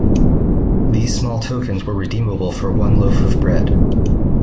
These small tokens were redeemable for one loaf of bread.